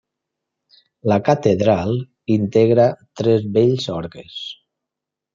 La Catedral integra tres bells orgues.